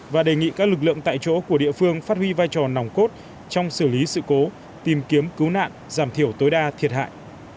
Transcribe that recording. và đề nghị các lực lượng tại chỗ của địa phương phát huy vai trò nòng cốt trong xử lý sự cố tìm kiếm cứu nạn giảm thiểu tối đa thiệt hại